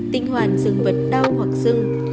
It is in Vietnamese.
tình hoàn dương vật đau hoặc dưng